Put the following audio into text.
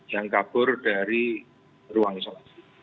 yang kabur dari ruang isolasi